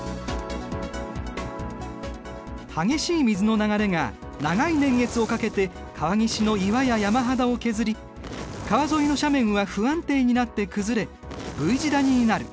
激しい水の流れが長い年月をかけて川岸の岩や山肌を削り川沿いの斜面は不安定になって崩れＶ字谷になる。